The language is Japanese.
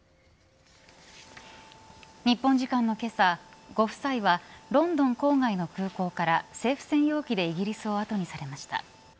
日本時間のけさ、ご夫妻はロンドン郊外の空港から政府専用機でイギリスをあとにされました。